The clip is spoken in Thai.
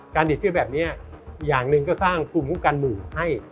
ติดเชื้อแบบนี้อย่างหนึ่งก็สร้างภูมิคุ้มกันหมู่ให้